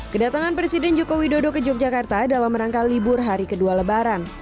kedatangan presiden joko widodo ke yogyakarta dalam rangka libur hari kedua lebaran